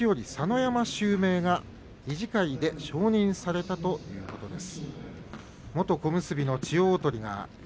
山襲名が理事会で承認されたということです。